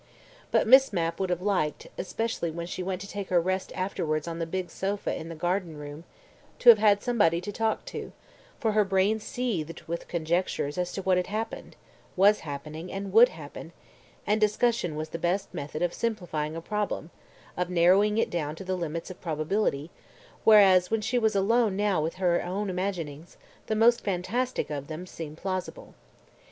But Miss Mapp would have liked, especially when she went to take her rest afterwards on the big sofa in the garden room, to have had somebody to talk to, for her brain seethed with conjectures as to what had happened, was happening and would happen, and discussion was the best method of simplifying a problem, of narrowing it down to the limits of probability, whereas when she was alone now with her own imaginings, the most fantastic of them seemed plausible.